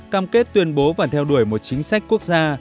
cam kết tuyên bố và theo đuổi một chính sách quốc gia